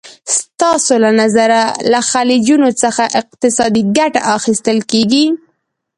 ستاسو له نظره له خلیجونو څخه اقتصادي ګټه اخیستل کېږي؟